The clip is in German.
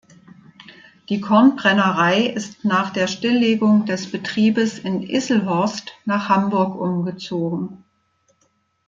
Die Kornbrennerei ist nach der Stilllegung des Betriebes in Isselhorst nach Hamburg umgezogen.